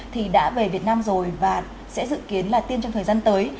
thì đã về việt nam rồi và sẽ dự kiến là tiêm trong thời gian tới